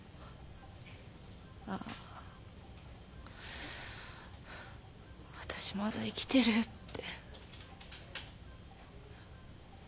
ああ私まだ生きてるって。